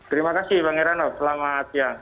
terima kasih bang herano selamat siang